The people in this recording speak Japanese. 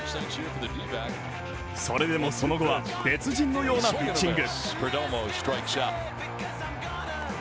それでもその後は別人のようなピッチング。